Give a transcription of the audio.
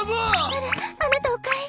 あらあなたお帰り。